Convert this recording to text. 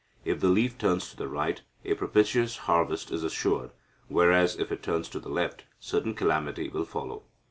If the leaf turns to the right, a propitious harvest is assured, whereas, if it turns to the left, certain calamity will follow.